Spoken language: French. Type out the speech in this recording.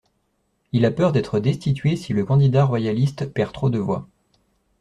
Il a peur d'être destitué si le candidat royaliste perd trop de voix.